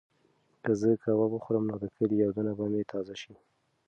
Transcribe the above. که زه کباب وخورم نو د کلي یادونه به مې تازه شي.